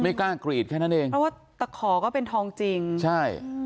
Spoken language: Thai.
กล้ากรีดแค่นั้นเองเพราะว่าตะขอก็เป็นทองจริงใช่